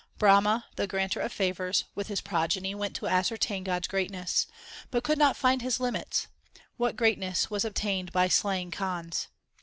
Brahma, the granter of favours, with his progeny went to ascertain God s greatness, But could not find His limits ; what greatness was obtained by slaying Kans